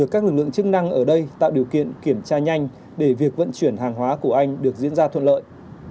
các lực lượng chức năng ở đây tạo điều kiện kiểm tra nhanh để việc vận chuyển hàng hóa của anh được diễn ra thuận lợi